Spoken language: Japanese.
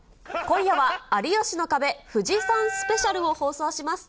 今夜は、有吉の壁富士山スペシャルを放送します。